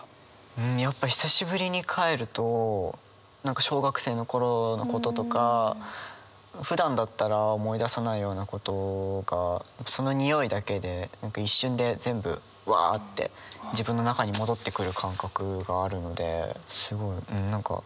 うんやっぱり久しぶりに帰ると何か小学生の頃のこととかふだんだったら思い出さないようなことがそのにおいだけで何か一瞬で全部わあって自分の中に戻ってくる感覚があるので。